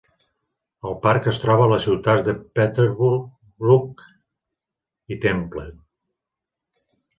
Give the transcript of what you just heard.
El parc es troba a les ciutats de Peterborough i Temple.